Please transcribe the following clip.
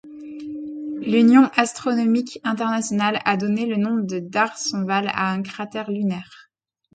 L'Union astronomique internationale a donné le nom de D'Arsonval à un cratère lunaire.